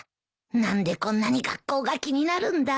何でこんなに学校が気になるんだ？